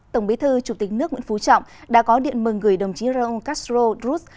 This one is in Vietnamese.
tổng bí thư chủ tịch nước nguyễn phú trọng đã có điện mừng gửi đồng chí raul castro cruz